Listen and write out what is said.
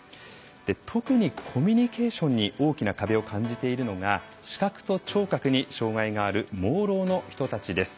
特にコミュニケーションに大きな壁を感じているのが視覚と聴覚に障害のある盲ろうの人たちです。